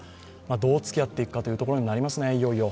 どうつきあっていくかということに、いよいよなりますね。